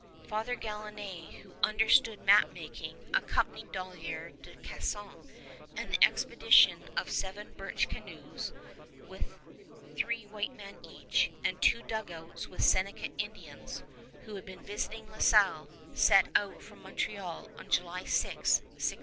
Father Galinée, who understood map making, accompanied Dollier de Casson, and the expedition of seven birch canoes, with three white men in each, and two dugouts with Seneca Indians, who had been visiting La Salle, set out from Montreal on July 6, 1669.